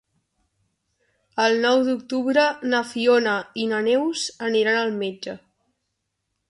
El nou d'octubre na Fiona i na Neus aniran al metge.